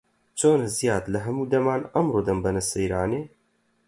چۆنە زیاد لە هەموو دەمان، ئەمڕۆ دەمبەنە سەیرانێ؟